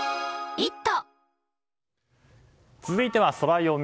続いてはソラよみ。